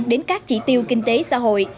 đến các chỉ tiêu kinh tế xã hội